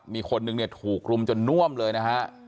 มีคนนึงเนี่ยถูกรุมจนน่วมเลยนะฮะ